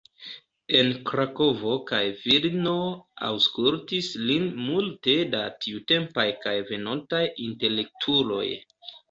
En Krakovo kaj Vilno aŭskultis lin multe da tiutempaj kaj venontaj intelektuloj.